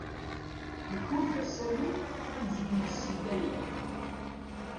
Iḥulfa Sami amzun yessen Layla.